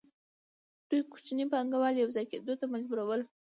دوی کوچني پانګوال یوځای کېدو ته مجبورول